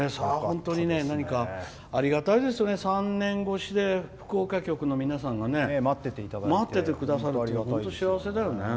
ありがたいですよね、３年越しで福岡局の皆さんがね待っててくださって本当、幸せだよね。